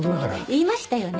言いましたよね？